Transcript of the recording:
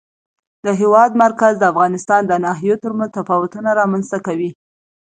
د هېواد مرکز د افغانستان د ناحیو ترمنځ تفاوتونه رامنځ ته کوي.